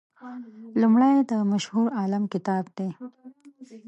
لومړی د مشهور عالم کتاب دی.